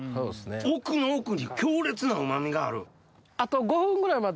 奥の奥に強烈な旨みがある。